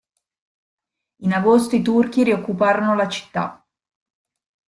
In agosto i turchi rioccuparono la città.